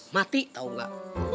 mati tau gak